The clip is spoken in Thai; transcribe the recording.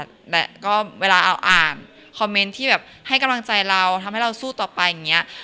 แต่ก็เวลาเราอ่านคอมเมนต์ที่แบบให้กำลังใจเราทำให้เราสู้ต่อไปอย่างนี้